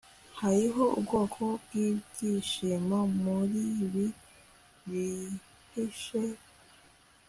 Hariho ubwoko bwibyishimo muribi byihishe